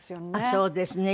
そうですね。